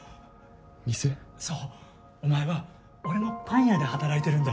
そうお前は俺のパン屋で働いてるんだ。